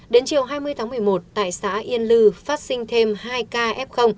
đến chiều hai mươi tháng một mươi một tại xã yên lư phát sinh thêm hai ca f